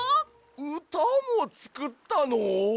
うたもつくったの？